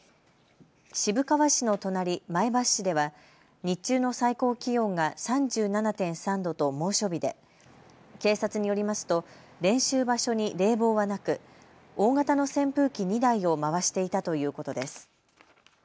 渋川市の隣、前橋市では日中の最高気温が３７．３度と猛暑日で警察によりますと練習場所に冷房はなく大型の扇風機２台を回していたということです。